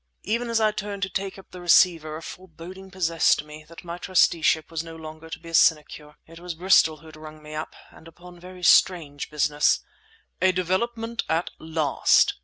Even as I turned to take up the receiver a foreboding possessed me that my trusteeship was no longer to be a sinecure. It was Bristol who had rung me up, and upon very strange business. "A development at last!"